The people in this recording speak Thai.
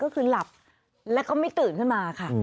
ก็คือหลับแล้วก็ไม่ตื่นขึ้นมาค่ะ